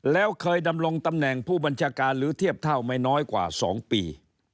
แล้วเคยดำรงตำแหน่งผู้บัญชาการหรือเทียบเท่าไม่น้อยกว่า๒ปี